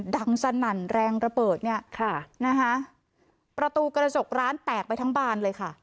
สนั่นแรงระเบิดเนี่ยค่ะนะคะประตูกระจกร้านแตกไปทั้งบานเลยค่ะ